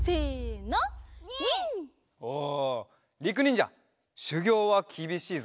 おりくにんじゃしゅぎょうはきびしいぞ。